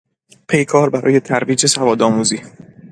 پیکار برای ترویج سوادآموزی